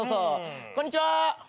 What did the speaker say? こんにちは。